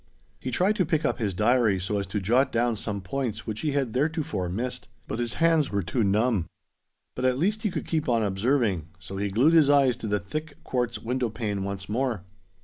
He tried to pick up his diary, so as to jot down some points which he had theretofore missed; but his hands were too numb. But at least he could keep on observing; so he glued his eyes to the thick quartz window pane once more.